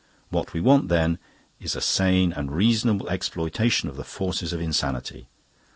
What we want, then, is a sane and reasonable exploitation of the forces of insanity.